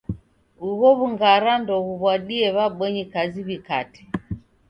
Ugho w'ungara ndoghuw'adie w'abonyi kazi w'ikate.